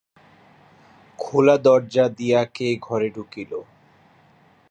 খোলা দরজা দিয়া কে ঘরে ঢুকিল।